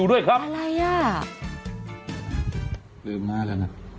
เดินมาแล้วนะเดินมาแล้วนะ